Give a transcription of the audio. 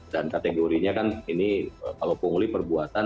kategorinya kan ini kalau pungli perbuatan